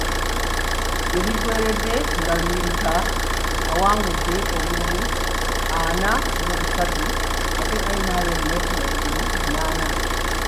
Gye biggweeredde nga Luyirika awangudde n’obululu ana mu busatu ate NRM n’efuna obululu munaana.